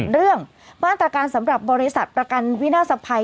เรื่องมาตรการสำหรับบริษัทประกันวินาศภัย